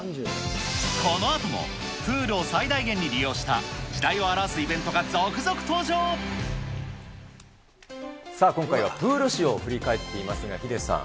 このあとも、プールを最大限に利用した、時代を表すイベントさあ、今回はプール史を振り返っていますが、ヒデさん。